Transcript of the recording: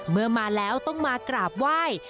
เมื่อมาแล้วต้องมากราบไหว้